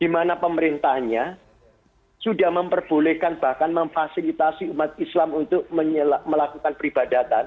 di mana pemerintahnya sudah memperbolehkan bahkan memfasilitasi umat islam untuk melakukan peribadatan